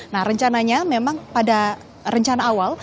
nah rencananya memang pada rencana awal